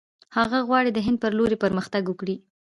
هغه غواړي د هند پر لور پرمختګ وکړي.